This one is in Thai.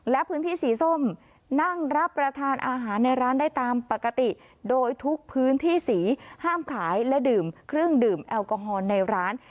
และพื้นที่สีส้มนั่งรับประทานอาหารในร้านได้ตามปกติโดยทุกพื้นที่สีห้ามขายและดื่มเครื่องดื่มแอลกอฮอลในร้าน